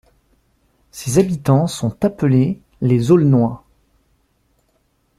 Ses habitants sont appelés les Aulnois.